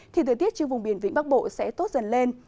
thì thời tiết trên vùng biển vĩnh bắc bộ sẽ tốt dần lên